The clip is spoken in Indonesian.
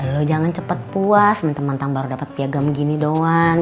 lo jangan cepet puas menteng menteng baru dapet piagam gini doang